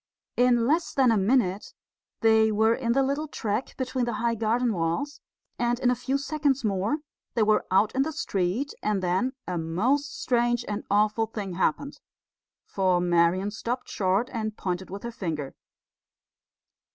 In less than a minute they were in the little track between the high garden walls; and in a few seconds more they were out in the street, and then a most strange and awful thing happened. For Marian stopped short and pointed with her finger.